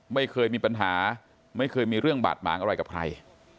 ไม่เคยมีปัญหาไม่เคยมีเรื่องบาดหมางอะไรกับใคร